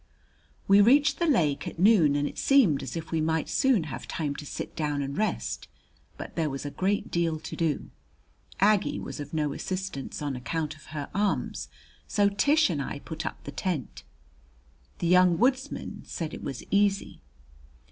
We reached the lake at noon and it seemed as if we might soon have time to sit down and rest. But there was a great deal to do. Aggie was of no assistance on account of her arms, so Tish and I put up the tent. The "Young Woodsman" said it was easy.